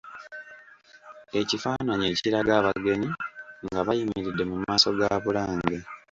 Ekifaananyi ekiraga abagenyi nga bayimiridde mu maaso ga Bulange.